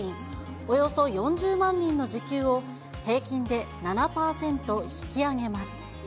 およそ４０万人の時給を、平均で７％引き上げます。